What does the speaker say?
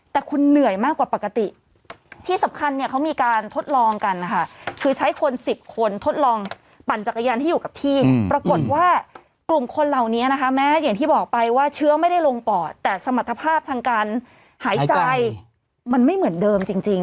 แต่คุณเหนื่อยมากกว่าปกติที่สำคัญเนี่ยเขามีการทดลองกันนะคะคือใช้คน๑๐คนทดลองปั่นจักรยานที่อยู่กับที่ปรากฏว่ากลุ่มคนเหล่านี้นะคะแม้อย่างที่บอกไปว่าเชื้อไม่ได้ลงปอดแต่สมรรถภาพทางการหายใจมันไม่เหมือนเดิมจริง